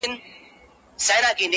زه به مي غزل ته عاطفې د سایل واغوندم,